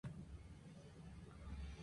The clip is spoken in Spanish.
Así sucede con su "Psicología de las masas".